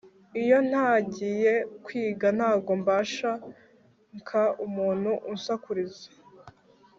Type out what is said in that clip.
Iyo ntangiyekwiga ntago mbanshaka umuntu unsakuriza